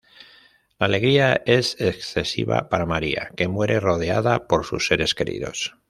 La alegría es excesiva para María, que muere rodeada por sus seres queridos.